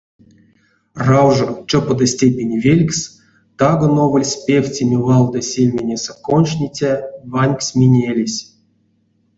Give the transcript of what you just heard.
Раужо, чопода степенть вельксс таго новольсь певтеме валдо сельминесэ кончтниця ванькс менелесь.